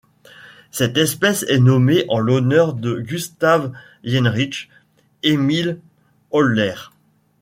Cette espèce est nommée en l'honneur de Gustav Heinrich Emil Ohlert.